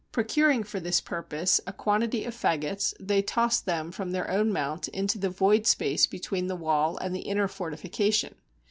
Pro 157 GREECE curing for this purpose a quantity of fagots, they tossed them from their own mount into the void space between the wall and the inner fortification.